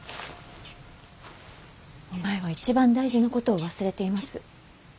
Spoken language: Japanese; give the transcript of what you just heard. お前は一番大事なことを忘れています。